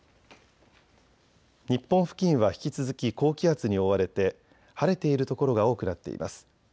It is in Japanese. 日本付近は引き続き高気圧に覆われて晴れている所が多くなっています。